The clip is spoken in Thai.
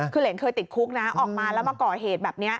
คือเหรนเคยติดคุกนะออกมาแล้วมาก่อเหตุแบบนี้